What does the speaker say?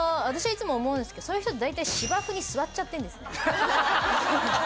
私はいつも思うんですけどそういう人って大体芝生に座っちゃってるんですね。